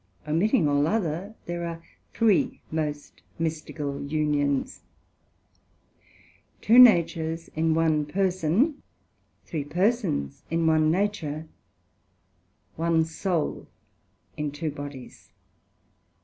Omitting all other, there are three most mystical unions, two natures in one person; three persons in one nature; one soul in two bodies.